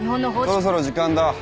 そろそろ時間だ。